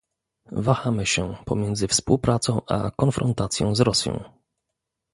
Wahamy się pomiędzy współpracą a konfrontacją z Rosją